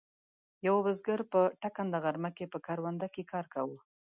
یوه بزګر په ټکنده غرمه کې په کرونده کې کار کاوه.